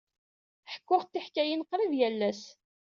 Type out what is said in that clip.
Ḥekkuɣ-d tiḥkayin qrib yal ass.